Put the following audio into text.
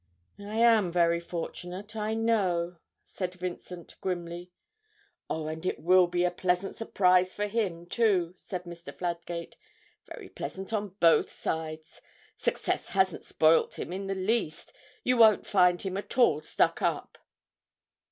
'I am very fortunate, I know,' said Vincent, grimly. 'Oh, and it will be a pleasant surprise for him too!' said Mr. Fladgate, 'very pleasant on both sides. Success hasn't spoilt him in the least you won't find him at all stuck up!'